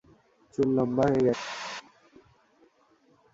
চুল লম্বা হয়ে গেছে।